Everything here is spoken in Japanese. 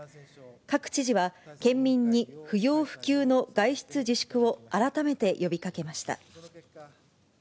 各知事は、県民に不要不急の外出自粛を改めて呼びかけました。